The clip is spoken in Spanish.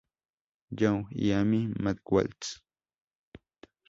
Young y Amy Matthews.